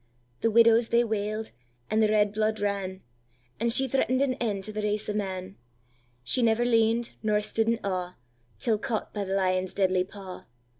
The widows they wail'd, and the red blood ran, And she threaten'd an end to the race of man; She never lened, nor stood in awe, Till caught by the lion's deadly paw.